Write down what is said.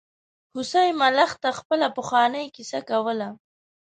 هوسۍ ملخ ته خپله پخوانۍ کیسه کوي.